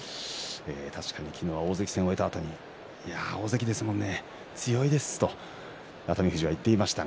確かに昨日は大関戦を終えたあとにいや大関ですよね、強いですと熱海富士は言っていました。